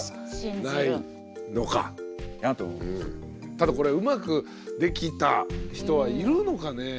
ただこれうまくできた人はいるのかね。